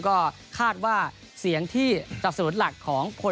ก็คาดว่าเสียงที่สนับสนุนหลัก